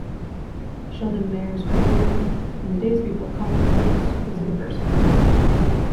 Sheldon Mayer's career in the days before comic books was a diverse one.